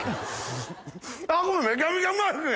あっこれめちゃめちゃうまいっすね！